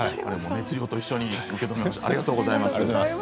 熱量と一緒に受け止めました。